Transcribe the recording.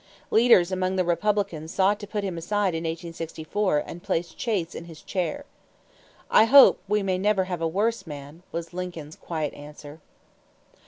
Leaders among the Republicans sought to put him aside in 1864 and place Chase in his chair. "I hope we may never have a worse man," was Lincoln's quiet answer.